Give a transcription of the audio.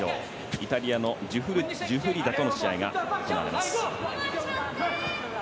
イタリアのジュフリダとの試合が行われます。